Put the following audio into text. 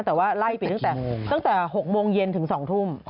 แต่ว่าไล่ปิดตั้งแต่๖โมงเย็นถึง๒ทุ่ม